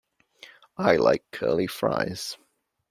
I like curly fries.